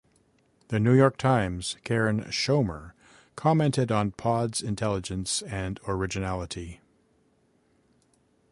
"The New York Times" Karen Schoemer commented on "Pod"s intelligence and originality.